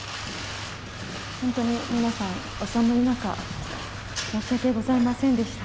本当に皆さん、お寒い中、申し訳ございませんでした。